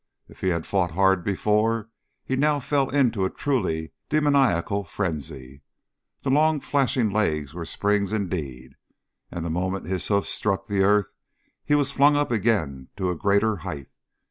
If he had fought hard before, he now fell into a truly demoniacal frenzy. The long flashing legs were springs indeed, and the moment his hoofs struck the earth he was flung up again to a greater height.